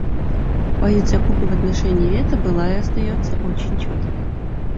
Позиция Кубы в отношении вето была и остается очень четкой.